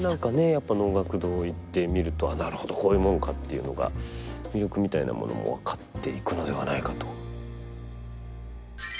やっぱり能楽堂へ行ってみるとああなるほどこういうもんかっていうのが魅力みたいなものも分かっていくのではないかと。